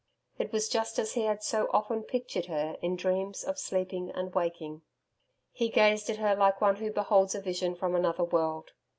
It was just as he had so often pictured her in dreams of sleep and waking. He gazed at her like one who beholds a vision from another world.